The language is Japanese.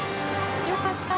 よかった。